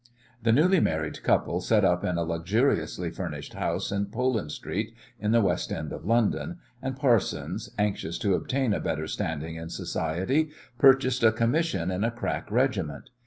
The newly married couple set up in a luxuriously furnished house in Poland Street, in the West End of London, and Parsons, anxious to obtain a better standing in society, purchased a commission in a crack regiment.